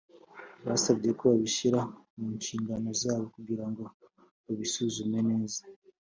Basabye ko babishyira munshingano zabo kugira ngo babisuzume neza